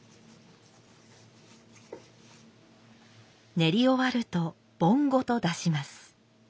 練り終わると盆ごと出します。